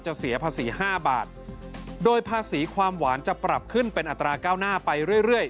เสียภาษี๕บาทโดยภาษีความหวานจะปรับขึ้นเป็นอัตราเก้าหน้าไปเรื่อย